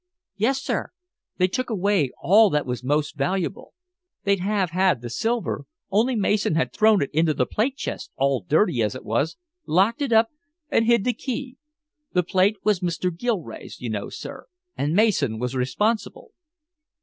"Yes, sir. They took away all that was most valuable. They'd have had the silver, only Mason had thrown it into the plate chest, all dirty as it was, locked it up and hid the key. The plate was Mr. Gilrae's, you know, sir, and Mason was responsible."